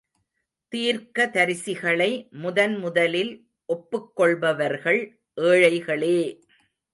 தீர்க்கதரிசிகளை முதன் முதலில் ஒப்புக் கொள்பவர்கள் ஏழைகளே!